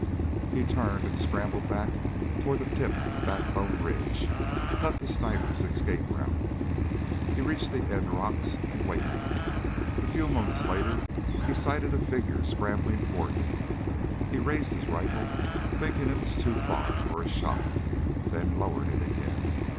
He turned and scrambled back toward the tip of Backbone Ridge to cut the sniper's escape route. He reached the end rocks and waited. A few moments later he sighted a figure scrambling toward him. He raised his rifle thinking it was too far for a shot, then lowered it again.